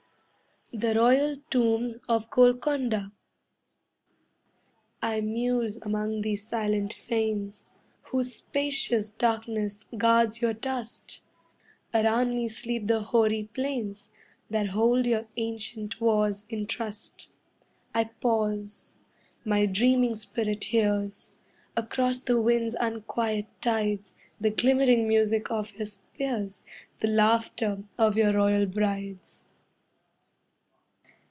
THE ROYAL TOMBS OF GOLCONDA I muse among these silent fanes Whose spacious darkness guards your dust; Around me sleep the hoary plains That hold your ancient wars in trust. I pause, my dreaming spirit hears, Across the wind's unquiet tides, The glimmering music of your spears, The laughter of your royal brides.